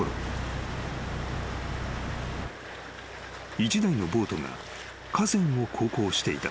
［一台のボートが河川を航行していた］